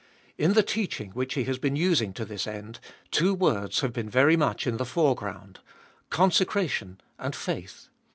In the teaching which He has been using to this end, two words have been very much in the foreground — Consecration and Faith.